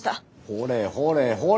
ほれほれほれ。